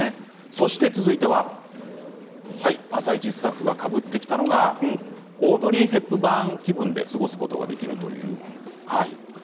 そして続いては「あさイチ」スタッフがかぶってきたのがオードリー・ヘプバーン気分で過ごすことができる